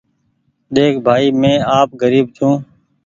ۮيک ڀآئي مينٚ آپ غريب ڇوٚنٚ